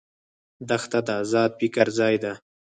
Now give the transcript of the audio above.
دښته د آزاد فکر ځای ده.